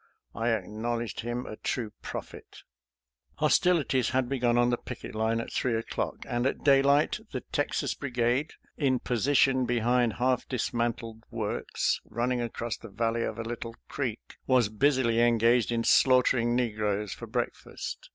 I acknowledged him a true prophet. Hostilities had begun on the picket line at three o'clock, and at daylight the Texas Brigade, in position behind half dismantled works running across the valley of a little creek, was busily engaged in slaughtering negroes for breakfast.